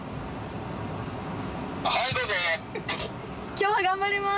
今日は頑張ります！